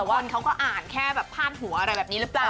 วนเขาก็อ่านแค่แบบพาดหัวอะไรแบบนี้หรือเปล่า